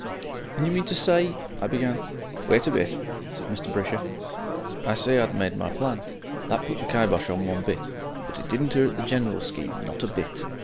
"And you mean to say " I began. "Wait a bit," said Mr. Brisher. "I say, I'd made my plan. That put the kybosh on one bit, but it didn't 'urt the general scheme not a bit.